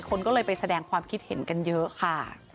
คนก็เลยไปแสดงความคิดเห็นกันเยอะค่ะ